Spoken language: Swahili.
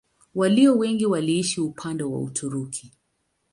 Walio wengi waliishi upande wa Uturuki.